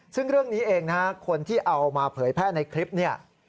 ซึ่งเรื่องนี้เองนะฮะคนที่เอามาเผยแพร่ในคลิปเนี่ย